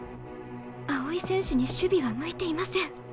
青井選手に守備は向いていません。